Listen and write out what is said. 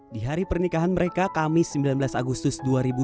di hari pernikahan mereka kamis sembilan belas agustus dua ribu dua puluh